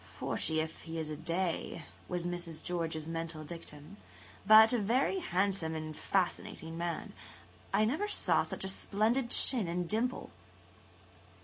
"Forty, if he is a day," was Mrs. George's mental dictum, "but a very handsome and fascinating man. I never saw such a splendid chin and dimple."